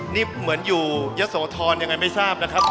นี่เหมือนอยู่ยะโสธรยังไงไม่ทราบนะครับ